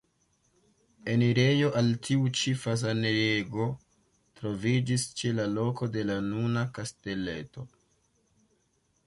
Enirejo al tiu ĉi fazanejego troviĝis ĉe la loko de la nuna kasteleto.